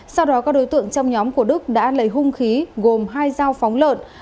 sau đó các đối tượng trong nhóm của đức đã lấy hung khí gồm hai dao phóng lợn